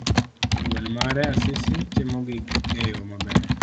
wuon mare Asisi timo gik eyo maber.